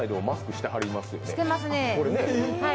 してますね。